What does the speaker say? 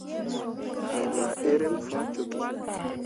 Me laa eremme faa cokki.